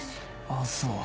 ああそう。